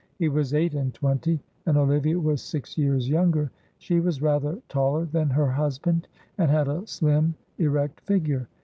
He was eight and twenty, and Olivia was six years younger. She was rather taller than her husband, and had a slim erect figure.